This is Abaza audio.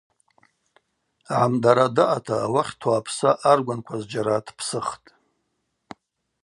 Гӏамдара даъата, ауахь Тӏуапса аргванква зджьара дпсыхтӏ.